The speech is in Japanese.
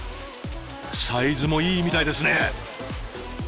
サイズもいいみたいですね！